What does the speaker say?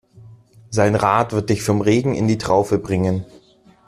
Sein Rat wird dich vom Regen in die Traufe bringen.